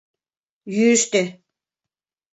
Йӱштӧ.